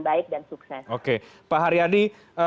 baik dan sukses oke pak haryadi